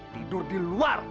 tidur di luar